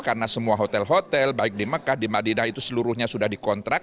karena semua hotel hotel baik di mekah di madinah itu seluruhnya sudah dikontrak